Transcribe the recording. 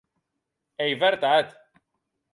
Ei vertat.